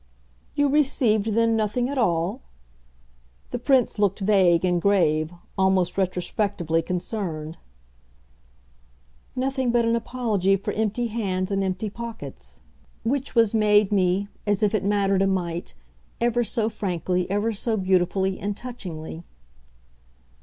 "You received then nothing at all?" The Prince looked vague and grave, almost retrospectively concerned. "Nothing but an apology for empty hands and empty pockets; which was made me as if it mattered a mite! ever so frankly, ever so beautifully and touchingly."